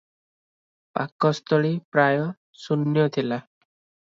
ପାକସ୍ଥଳୀ ପ୍ରାୟ ଶୂନ୍ୟ ଥିଲା ।